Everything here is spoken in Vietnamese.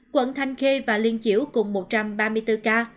quận thanh khê và liên chiểu cùng một trăm ba mươi bốn ca